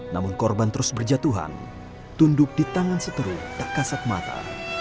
namun korban terus berjatuhan tunduk di tangan seteru tak kasat mata